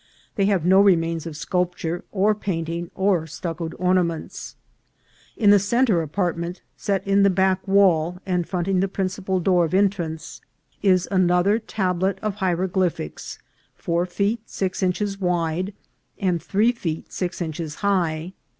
They have no remains of sculpture, or painting, or stuccoed ornaments. In the centre apart ment, set in the back wall, and fronting the principal door of entrance, is another tablet of hieroglyphics, four feet six inches wide and three feet six inches high.